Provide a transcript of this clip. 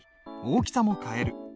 大きさも変える。